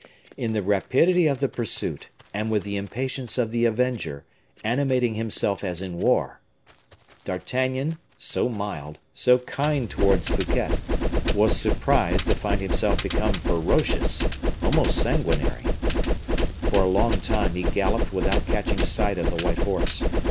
In the rapidity of the pursuit, and with the impatience of the avenger, animating himself as in war, D'Artagnan, so mild, so kind towards Fouquet, was surprised to find himself become ferocious almost sanguinary. For a long time he galloped without catching sight of the white horse.